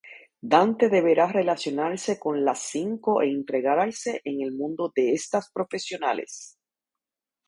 Dante deberá relacionarse con las cinco e integrarse en el mundo de estas profesionales.